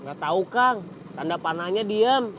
nggak tahu kang tanda panahnya diem